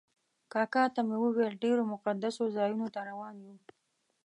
کاکا ته مې وویل ډېرو مقدسو ځایونو ته روان یو.